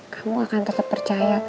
kamu akan tetep percaya kak